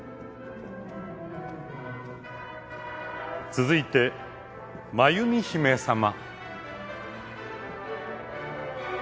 続いて真弓姫さま。